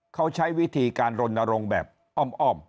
เขาใช้วิธีการรณรงค์แบบอ้อม